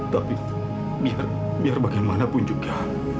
tapi biar bagaimanapun juga